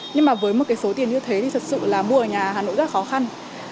nhưng mà với một cái số tiền như thế thì thật sự là mua ở nhà hà nội rất khó khăn